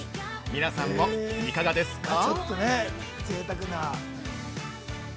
皆さんも、いかがですか。